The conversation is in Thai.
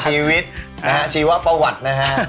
ชีวิตนะฮะชีวประวัตินะฮะ